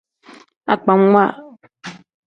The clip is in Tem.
Agbamwa.